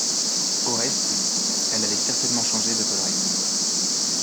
Au reste, elle avait certainement changé de collerette.